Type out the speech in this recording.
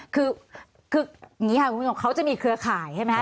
คืออย่างนี้ค่ะเขาจะมีเครือข่ายใช่ไหมฮะ